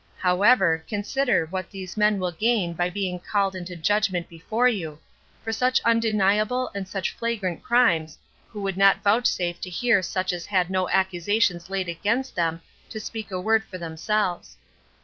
However, consider what these men will gain by being called into judgment before you, for such undeniable and such flagrant crimes, who would not vouchsafe to hear such as had no accusations laid against them to speak a word for themselves.